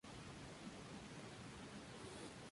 Yo que sólo soy un desterrado.